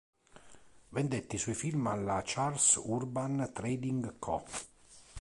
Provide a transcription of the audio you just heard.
Vendette i suoi film alla Charles Urban Trading Co.